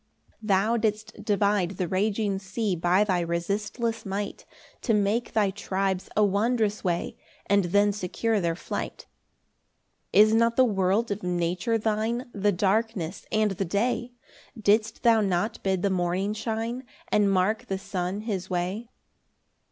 12 Thou didst divide the raging sea By thy resistless might, To make thy tribes a wondrous way, And then secure their flight. 13 Is not the world of nature thine, The darkness and the day? Didst thou not bid the morning shine, And mark the sun his way?